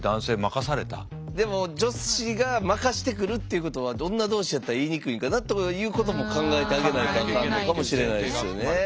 でも女子が任してくるっていうことは女同士やったら言いにくいんかなとかいうことも考えてあげないとあかんのかもしれないですよね。